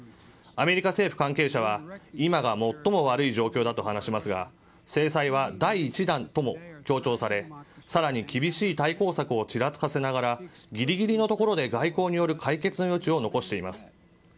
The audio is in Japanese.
アメリカ政府関係者は、今が最も悪い状況だと話しますが、制裁は第１弾とも強調され、さらに厳しい対抗策をちらつかせながら、ぎりぎりのところで外交による解決の余地を残しています。